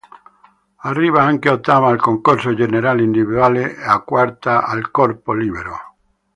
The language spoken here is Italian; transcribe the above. Arriva anche ottava al concorso generale individuale e quarta al corpo libero.